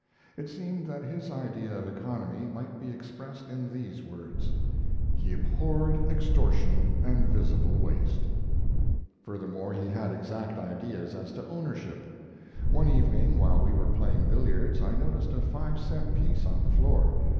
It seemed that his idea of economy might be expressed in these words: He abhorred extortion and visible waste. Furthermore, he had exact ideas as to ownership. One evening, while we were playing billiards, I noticed a five cent piece on the floor.